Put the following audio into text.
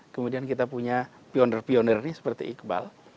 kemudian kita punya pioner pioner ini seperti iqbal